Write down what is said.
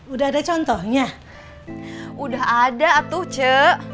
udah ada contohnya udah ada tuh cek